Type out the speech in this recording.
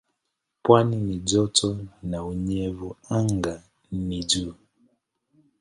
Pwani ni joto na unyevu anga ni juu.